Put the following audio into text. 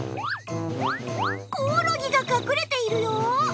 コオロギが隠れているよ。